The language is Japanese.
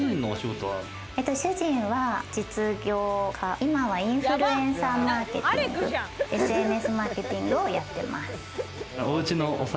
主人は実業家、今はインフルエンサーマーケティング、ＳＮＳマーケティングをやってます。